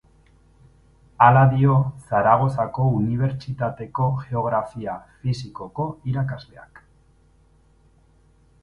Hala dio Zaragozako Unibertsitateko geografia fisikoko irakasleak.